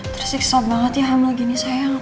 terseksa banget ya hamil gini sayang